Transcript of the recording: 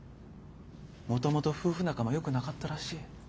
もともと夫婦仲もよくなかったらしい。